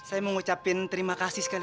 saya mau ngucapin terima kasih sekali